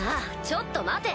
ちょっと待て。